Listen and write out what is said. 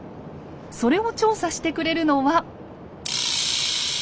それを調査してくれるのは。